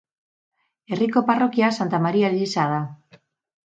Herriko parrokia Santa Maria eliza da.